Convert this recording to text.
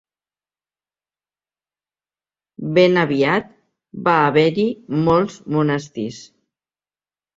Ben aviat va haver-hi molts monestirs.